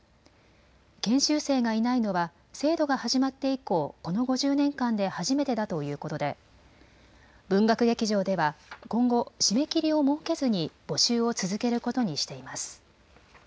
研修生がいないのは制度が始まって以降、この５０年間で初めてだということで文楽劇場では今後、締め切りを設けずに募集を続けることにしています。